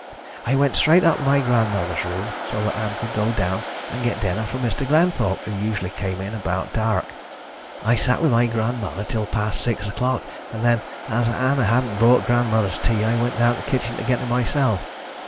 "I went straight up to my grandmother's room, so that Ann could go down and get dinner for Mr. Glenthorpe, who usually came in about dark. I sat with grandmother till past six o'clock, and then, as Ann hadn't brought grandmother's tea, I went down to the kitchen to get it myself.